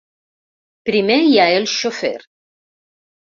Primer hi ha el xofer.